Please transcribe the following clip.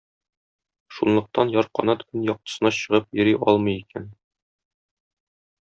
Шунлыктан Ярканат көн яктысына чыгып йөри алмый икән.